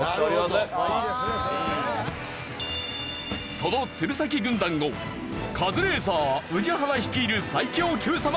その鶴崎軍団をカズレーザー宇治原率いる最強Ｑさま！！